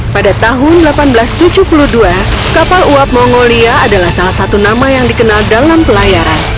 pada tahun seribu delapan ratus tujuh puluh dua kapal uap mongolia adalah salah satu nama yang dikenal dalam pelayaran